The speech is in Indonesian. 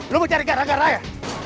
lo mau cari gara gara ya